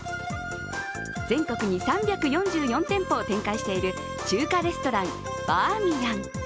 全国に３４４店舗展開している中華レストラン、バーミヤン。